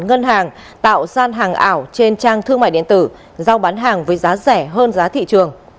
ngân hàng tạo gian hàng ảo trên trang thương mại điện tử giao bán hàng với giá rẻ hơn giá thị trường